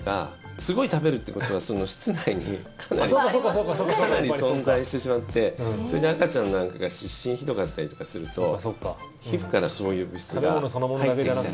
すごい食べるってことは室内にかなり存在してしまってそれで赤ちゃんなんかが湿疹ひどかったりとかすると皮膚からそういう物質が入ってきたり。